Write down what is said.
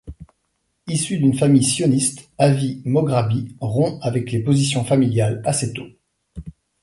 Issu d'une famille sioniste, Avi Mograbi rompt avec les positions familiales assez tôt.